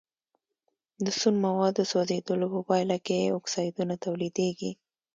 د سون موادو سوځیدلو په پایله کې اکسایدونه تولیدیږي.